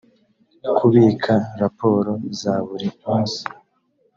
kubika raporo za buri munsi